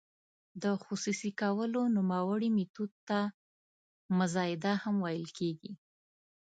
د خصوصي کولو نوموړي میتود ته مزایده هم ویل کیږي.